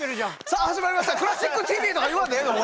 さあ始まりました「クラシックＴＶ」！とか言わんでええの？